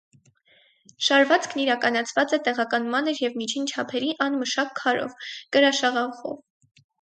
Շարվածքն իրականացված է տեղական մանր և միջին չափերի անմշակ քարով, կրաշաղախով։